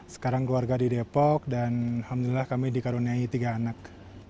sekarang keluarga di depok dan alhamdulillah kami dikaruniai tiga anak